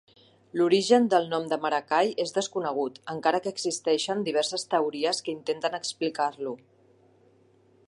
L'origen del nom de Maracay és desconegut, encara que existeixen diverses teories que intenten explicar-lo.